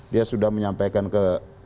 dia sudah menyampaikan ke